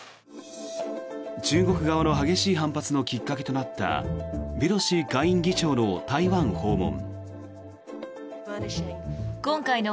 中国側の激しい反発のきっかけとなったペロシ下院議長の台湾訪問。